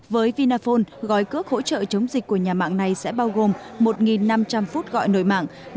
với vinaphone gói cước hỗ trợ chống dịch của nhà mạng này sẽ bao gồm một năm trăm linh phút gọi nội mạng